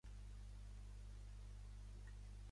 El primer partit condemnat per corrupció a l’estat espanyol.